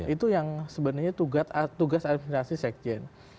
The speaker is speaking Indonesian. itu yang sebenarnya tugas administrasi sekjen